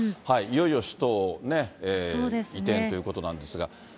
いよいよ首都ね、移転ということなんですが。